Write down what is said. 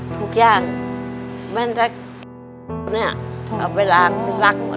ทุกอย่างแม่จะเอาไปรักไปรักหมดเลย